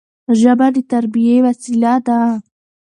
ژبه د تربيي وسیله ده.